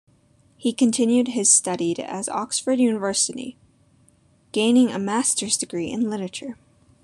He continued his studied as Oxford University, gaining a Masters degree in Literature.